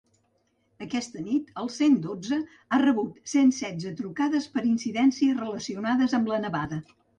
Aquesta nit, el cent dotze ha rebut cent setze trucades per incidències relacionades amb la nevada.